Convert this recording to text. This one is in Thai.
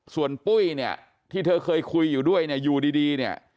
ส่วนปุ้ยเนี่ยที่เธอเคยคุยอยู่ด้วยเนี่ยอยู่ดีเนี่ย